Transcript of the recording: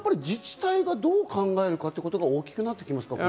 自治体がどう考えるかっていう事が大きくなってきますか？